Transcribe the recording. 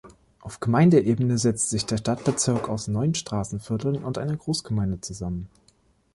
Auf Gemeindeebene setzt sich der Stadtbezirk aus neun Straßenvierteln und einer Großgemeinde zusammen.